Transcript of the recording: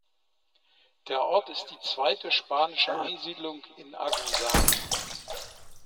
Der Ort ist die zweite spanische Ansiedlung in Agusan.